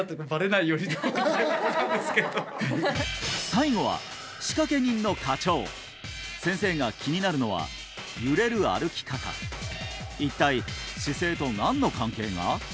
はい最後は仕掛け人の課長先生が気になるのは揺れる歩き方一体姿勢と何の関係が？